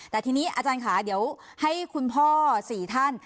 แต่ทีนี้อาจารย์ค่ะเดี๋ยวให้คุณพ่อ๔ท่าน